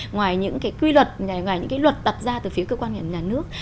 ngoài những cái quy luật ngoài những cái luật đặt ra từ phía cơ quan kiểm nhà nước